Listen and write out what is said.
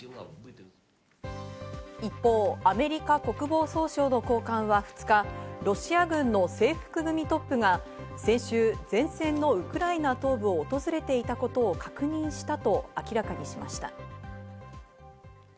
一方、アメリカ国防総省の高官は２日、ロシア軍の制服組トップが先週、前線のウクライナ東部を訪れていたことを確認したと明らかにしました。